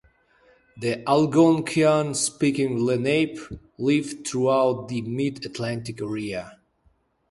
The Algonquian-speaking Lenape lived throughout the mid-Atlantic area.